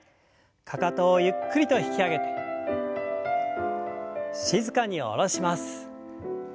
かかとをゆっくりと引き上げて静かに下ろします。